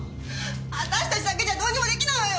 私たちだけじゃどうにも出来ないわよ！